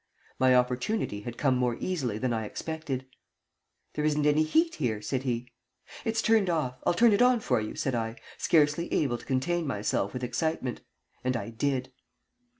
My opportunity had come more easily than I expected. "There isn't any heat here," said he. "It's turned off. I'll turn it on for you," said I, scarcely able to contain myself with excitement and I did.